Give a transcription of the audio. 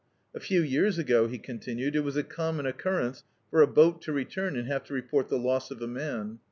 A few years ago,*' he continued, "it was a common occurrence for a boat to return and have to report the loss of a man.